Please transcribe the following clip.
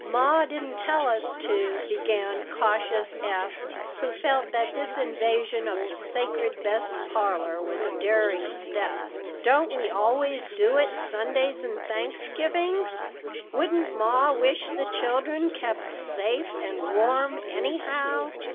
Ma didn't tell us to," began cautious Eph, who felt that this invasion of the sacred best parlor was a daring step. "Don't we always do it Sundays and Thanksgivings? Wouldn't Ma wish the children kept safe and warm anyhow?